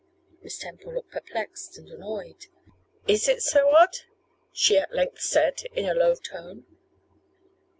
Miss Temple looked perplexed and annoyed. 'Is it so odd?' she at length said in a low tone.